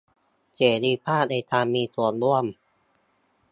เสรีภาพในการมีส่วนร่วม